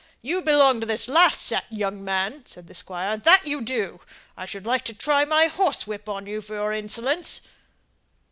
You belong to this last set, young man," said the squire, "that you do. I should like to try my horsewhip on you for your insolence."